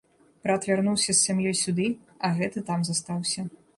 Брат вярнуўся з сям'ёй сюды, а гэты там застаўся.